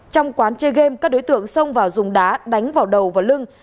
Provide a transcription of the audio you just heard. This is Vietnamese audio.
trong quán chơi game các đối tượng xông vào dùng đá đánh vào đầu và lưng